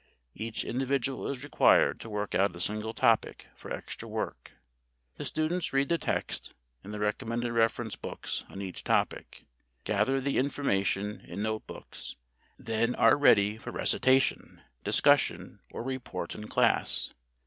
Each individual is required to work out a single topic for extra work. The students read the text and the recommended reference books on each topic, gather the information in note books, and then are ready for recitation, discussion, or report in class.